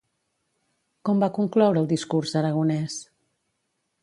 Com va concloure el discurs, Aragonès?